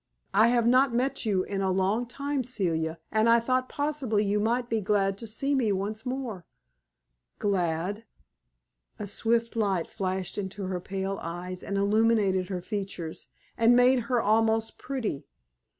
I have not met you in a long time, Celia, and I thought possibly you might be glad to see me once more." "Glad?" A swift light flashed into her pale eyes and illumined her features, and made her almost pretty.